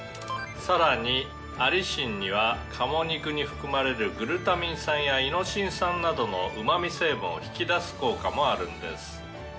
「さらにアリシンには鴨肉に含まれるグルタミン酸やイノシン酸などのうまみ成分を引き出す効果もあるんです」